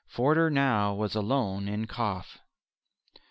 Forder now was alone in Kaf.